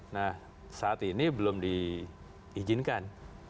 nah saat ini belum diizinkan